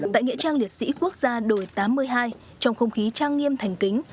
tại nghĩa trang liệt sĩ quốc gia đổi tám mươi hai trong không khí trang nghiêm thành kính